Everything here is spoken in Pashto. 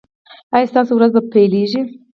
ایا ستاسو ورځ به پیلیږي؟